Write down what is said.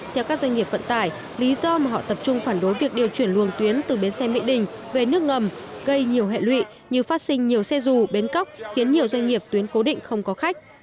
theo các doanh nghiệp vận tải lý do mà họ tập trung phản đối việc điều chuyển luồng tuyến từ bến xe mỹ đình về nước ngầm gây nhiều hệ lụy như phát sinh nhiều xe dù bến cóc khiến nhiều doanh nghiệp tuyến cố định không có khách